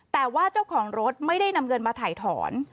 แต่ว่าเจ้าของรถไม่ได้นำเงินมาถ่ายถอน